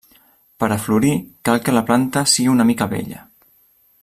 Per a florir cal que la planta sigui una mica vella.